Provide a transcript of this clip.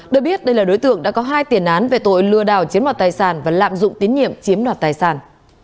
được biết đây là đối tượng đã có hai tiền án về tội lừa đảo chiếm đoạt tài sản và lạm dụng tín nhiệm chiếm đoạt tài sản